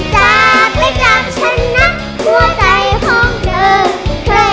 จากหรือจากฉันนั้นหัวใจพร้อมเจอเจอเจอเจอโอ้โอ้โอ้ย